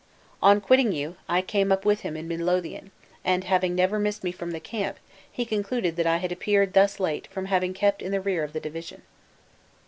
On quitting you, I came up with him in Mid=Lothian; and never having missed me from the camp, he concluded that I had appeared thus late from having kept in the rear of the division."